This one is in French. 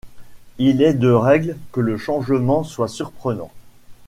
Il est de règle que le changement soit surprenant.